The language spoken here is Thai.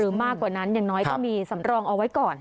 มากกว่านั้นอย่างน้อยก็มีสำรองเอาไว้ก่อน